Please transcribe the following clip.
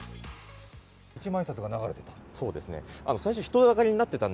一万円札が流れてた。